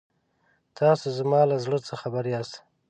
تاسو زما له زړه څخه خبر یاست.